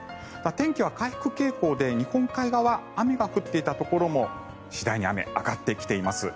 天気は回復傾向で日本海側雨が降っていたところも次第に雨、上がってきています。